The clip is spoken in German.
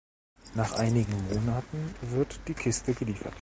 Nach einigen Monaten wird die Kiste geliefert.